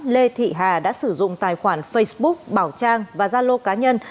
lê thị hà đã sử dụng tài khoản facebook bảo trang và gia lô cá nhân